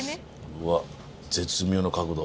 うわ絶妙な角度。